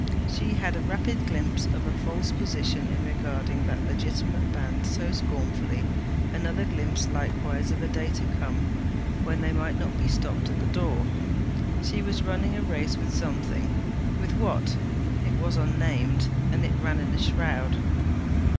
She had a rapid glimpse of a false position in regarding that legitimate band so scornfully: another glimpse likewise of a day to come when they might not be stopped at the door. She was running a race with something; with what? It was unnamed; it ran in a shroud.